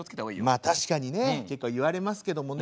まあ確かにね結構言われますけどもね。